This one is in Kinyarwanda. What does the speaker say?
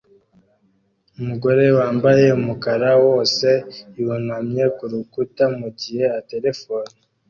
Umugore wambaye umukara wose yunamye kurukuta mugihe aterefona